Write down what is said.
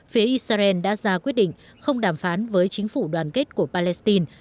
phía israel đã ra quyết định không đàm phán với chính phủ đoàn kết của palestine